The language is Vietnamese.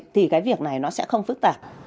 thì cái việc này nó sẽ không phức tạp